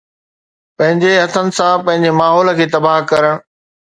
پنهنجي هٿن سان پنهنجي ماحول کي تباهه ڪرڻ